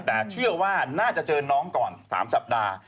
แต่เชื่อว่าน่าจะเจอน้องก่อน๓สัปดาห์